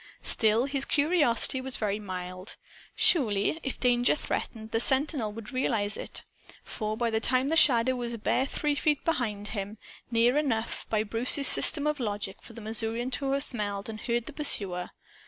Still his curiosity was very mild. Surely, if danger threatened, the sentinel would realize it. For by this time the Shadow was a bare three feet behind him near enough, by Bruce's system of logic, for the Missourian to have smelled and heard the pursuer.